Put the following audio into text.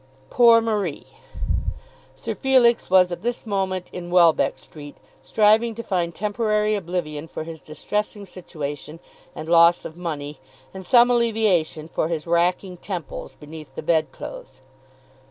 Poor Marie! Sir Felix was at this moment in Welbeck Street, striving to find temporary oblivion for his distressing situation and loss of money, and some alleviation for his racking temples, beneath the bedclothes.